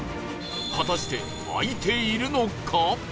果たして開いているのか？